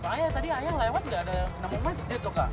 ayah tadi ayah lewat gak ada nemu masjid tuh kak